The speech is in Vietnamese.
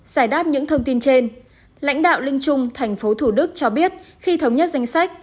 giải đáp những thông tin trên lãnh đạo linh trung tp thd cho biết khi thống nhất danh sách